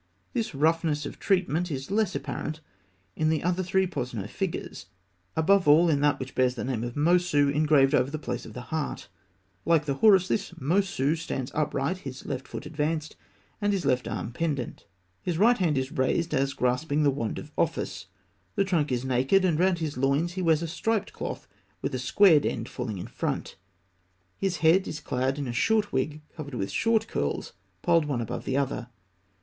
This roughness of treatment is less apparent in the other three Posno figures; above all in that which bears the name of Mosû engraved over the place of the heart (fig. 281). Like the Horus, this Mosû stands upright, his left foot advanced, and his left arm pendent. His right hand is raised, as grasping the wand of office. The trunk is naked, and round his loins he wears a striped cloth with a squared end falling in front. His head is clad in a short wig covered with short curls piled one above the other.